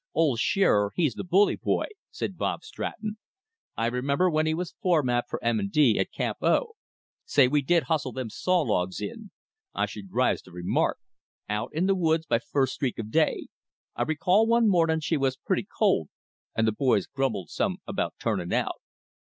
"Old Shearer, he's the bully boy," said Bob Stratton. "I remember when he was foremap for M. & D. at Camp 0. Say, we did hustle them saw logs in! I should rise to remark! Out in th' woods by first streak o' day. I recall one mornin' she was pretty cold, an' the boys grumbled some about turnin' out.